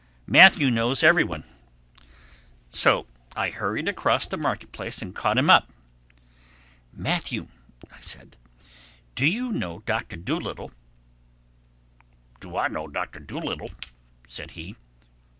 Matthew knows everyone." So I hurried across the market place and caught him up. "Matthew," I said, "do you know Doctor Dolittle?" "Do I know John Dolittle!" said he.